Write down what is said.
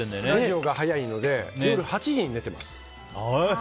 ラジオが早いので夜８時に寝てます。